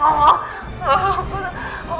saya akan menaklukkan kamu